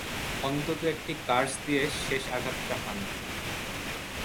অন্তত একটি কার্স দিয়ে শেষ আঘাতটা হানো।